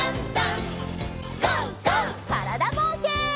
からだぼうけん。